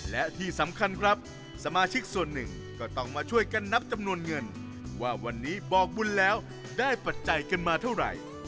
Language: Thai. และที่สำคัญครับสมาชิกส่วนหนึ่งก็ต้องมาช่วยกันนับจำนวนเงินว่าวันนี้บอกบุญแล้วได้ปัจจัยกันมาเท่าไหร่